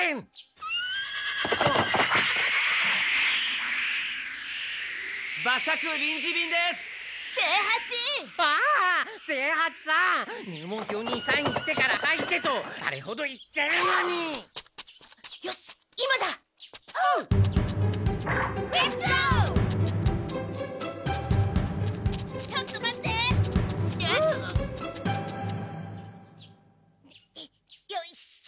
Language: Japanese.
えっ？よいしょ。